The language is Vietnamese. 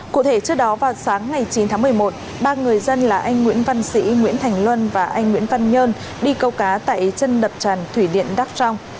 cụ thể trước đó vào sáng ngày chín tháng một mươi một ba người dân là anh nguyễn văn sĩ nguyễn thành luân và anh nguyễn văn nhơn đi câu cá tại chân đập tràn thủy điện đắk trong